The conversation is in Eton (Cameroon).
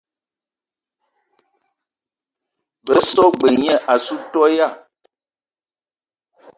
Be so g-beu gne assou toya.